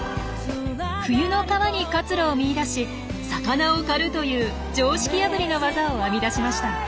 冬の川に活路を見いだし魚を狩るという常識破りの技を編み出しました。